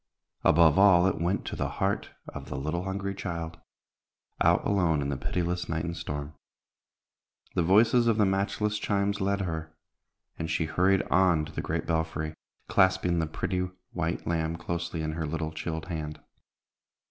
Above all, it went to the heart of the little hungry child, out alone in the pitiless night and storm. The voices of the matchless chimes led her, and she hurried on to the great belfry, clasping the pretty white lamb closely in her little chilled hand.